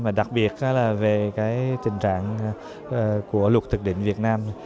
và đặc biệt là về cái tình trạng của luật thực định việt nam